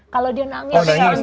kalau dia nangis cara nangis